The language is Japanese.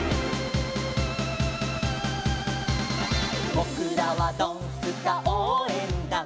「ぼくらはドンスカおうえんだん」